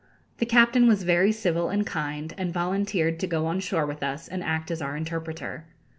The captain was very civil and kind, and volunteered to go on shore with us and act as our interpreter.